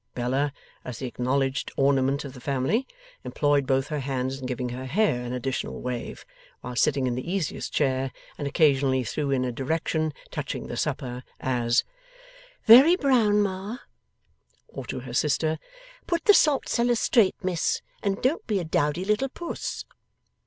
Bella, as the acknowledged ornament of the family, employed both her hands in giving her hair an additional wave while sitting in the easiest chair, and occasionally threw in a direction touching the supper: as, 'Very brown, ma;' or, to her sister, 'Put the saltcellar straight, miss, and don't be a dowdy little puss.